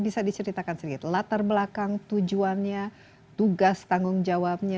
bisa diceritakan sedikit latar belakang tujuannya tugas tanggung jawabnya